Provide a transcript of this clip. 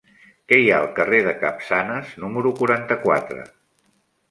Què hi ha al carrer de Capçanes número quaranta-quatre?